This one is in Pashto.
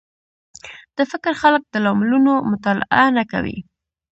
د فکر خلک د لاملونو مطالعه نه کوي